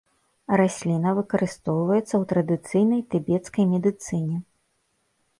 Расліна выкарыстоўваецца ў традыцыйнай тыбецкай медыцыне.